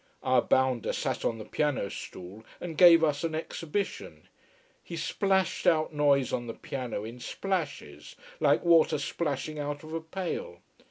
Our bounder sat on the piano stool and gave us an exhibition. He splashed out noise on the piano in splashes, like water splashing out of a pail.